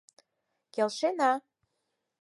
— Келшена!